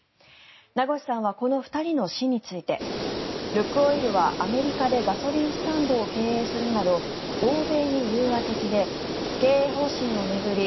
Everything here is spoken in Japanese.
名越さんはこの２人の死についてルクオイルはアメリカでガソリンスタンドを経営するなど欧米に融和的で経営方針を巡り